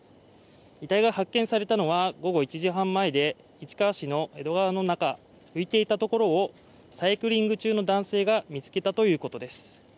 遺体が発見されたのは午後１時半前で、市川市の江戸川の中浮いていたところをサイクリング中の男性が見つけたということです。